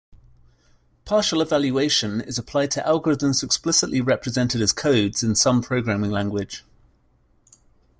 Partial evaluation is applied to algorithms explicitly represented as codes in some programming language.